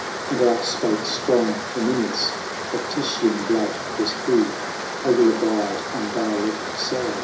And out spake strong Herminius ; Of Titian blood was he :" I will abide on thy left side.